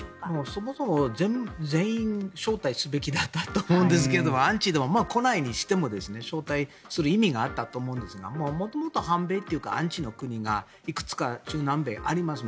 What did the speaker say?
そもそも全員招待すべきだったと思うんですけどアンチの国が来ないにしても招待する意味があったと思うんですが元々、反米というかアンチの国がいくつか中南米あります。